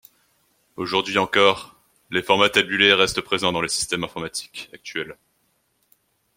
Aujourd'hui encore, les formats tabulés restent présents dans les systèmes informatiques actuels.